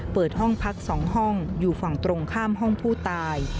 เปิดห้องพัก๒ห้องอยู่ฝั่งตรงข้ามห้องผู้ตาย